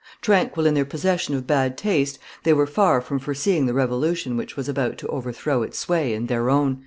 Tranquil in their possession of bad taste, they were far from foreseeing the revolution which was about to overthrow its sway and their own."